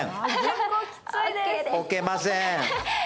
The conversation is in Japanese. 置けませーん。